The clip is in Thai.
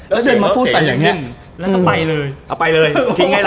แล้วก็ไปเลย